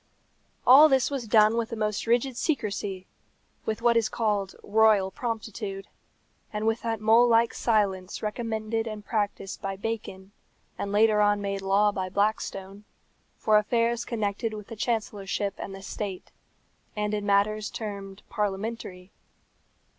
All this was done with the most rigid secrecy, with what is called royal promptitude, and with that mole like silence recommended and practised by Bacon, and later on made law by Blackstone, for affairs connected with the Chancellorship and the state, and in matters termed parliamentary.